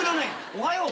おはよう。